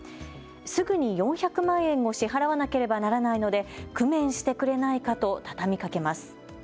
すぐに４００万円を支払わなければならないので工面してくれないかと畳みかけます。